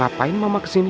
ngapain mama kesini